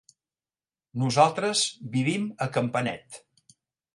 Nosaltres vivim a Campanet.